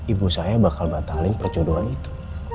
ibu saya bakal batalin percodoan itu